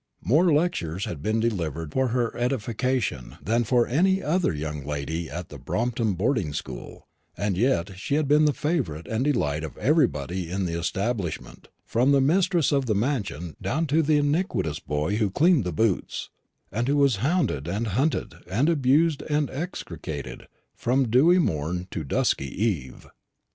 More lectures had been delivered for her edification than for any other young lady in the Brompton boarding school, and yet she had been the favourite and delight of everybody in the establishment, from the mistress of the mansion down to the iniquitous boy who cleaned the boots, and who was hounded and hunted, and abused and execrated, from dewy morn to dusky eve.